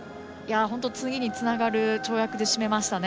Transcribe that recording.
次につながる跳躍で締めましたね。